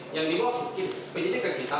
yang dimulai penyelidik ke kita